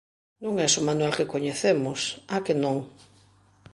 Non es o Manuel que coñecemos, a que non?